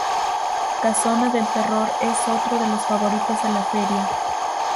Casona del Terror es otro de los favoritos de La Feria.